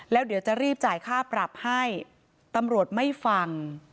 แล้วเดี๋ยวจะรีบจ่ายค่าปรับให้ตำรวจไม่ฟัง